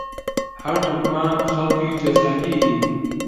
هەردووکمان خەڵکی جەزائیرین.